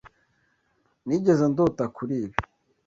Nigeze ndota kuri ibi.